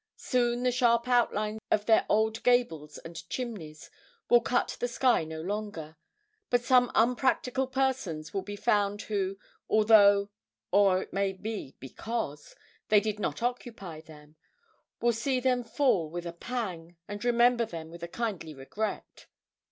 Soon the sharp outline of their old gables and chimneys will cut the sky no longer; but some unpractical persons will be found who, although (or it may be because) they did not occupy them, will see them fall with a pang, and remember them with a kindly regret.